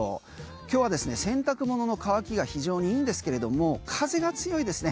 今日は洗濯物の乾きが非常にいいんですけれども風が強いですね。